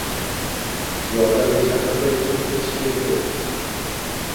Yordamga chaqirmay turib hech kimni…